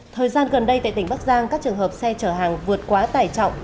thời gian gần đây tại tỉnh bắc giang các trường hợp xe chở hàng vượt quá tải trọng